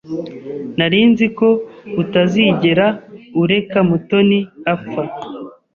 Nari nzi ko utazigera ureka Mutoni apfa.